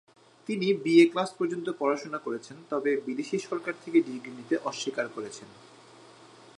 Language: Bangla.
তিনি বিএ ক্লাস পর্যন্ত পড়াশোনা করেছেন তবে বিদেশী সরকার থেকে ডিগ্রি নিতে অস্বীকার করেছেন।